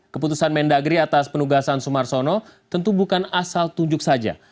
keputusan mendagri atas penugasan sumarsono tentu bukan asal tunjuk saja